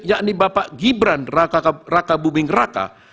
yakni bapak gibran raka buming raka